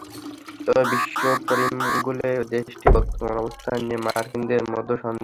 তবে বিশ্ব পরিমণ্ডলে দেশটির বর্তমান অবস্থান নিয়ে মার্কিনিদের মধ্যে সন্দেহ ঢুকে গেছে।